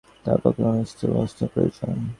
তাহার পক্ষে কোন স্থূল বস্তু প্রয়োজন।